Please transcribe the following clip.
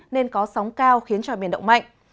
nên có sóng cao khiến cho biển động mạnh